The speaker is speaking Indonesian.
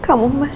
kerupuk suka hq